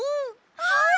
はい！